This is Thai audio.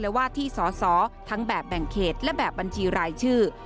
และว่าที่สอสอทั้งแบบแบ่งเขตและแบบบัญชีรายชื่อ